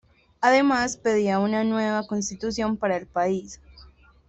Además, pedía una nueva constitución para el país.